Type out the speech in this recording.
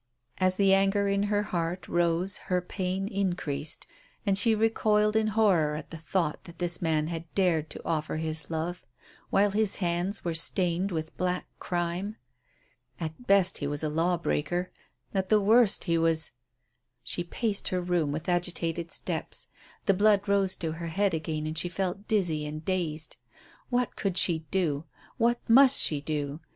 As the anger in her heart rose her pain increased, and she recoiled in horror at the thought that this man had dared to offer her his love while his hands were stained with black crime. At best he was a law breaker; at the worst he was She paced her room with agitated steps. The blood rose to her head again, and she felt dizzy and dazed. What could she do? What must she do?